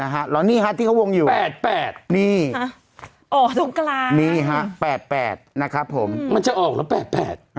ไหนอยู่วะแปดนี่อ๋อตรงกลางมันจะออกแล้วแปด